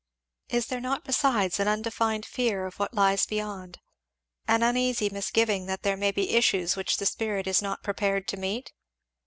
"Is there not besides an undefined fear of what lies beyond an uneasy misgiving that there may be issues which the spirit is not prepared to meet?"